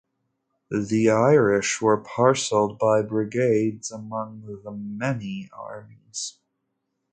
The Irish were parcelled by brigades among the many armies.